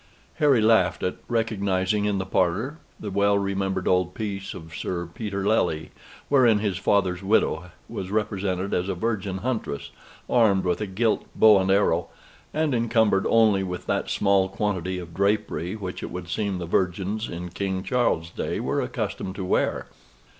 Harry laughed at recognizing in the parlor the well remembered old piece of Sir Peter Lely, wherein his father's widow was represented as a virgin huntress, armed with a gilt bow and arrow, and encumbered only with that small quantity of drapery which it would seem the virgins in King Charles's day were accustomed to wear.